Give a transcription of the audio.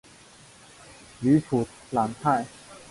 吕普朗泰。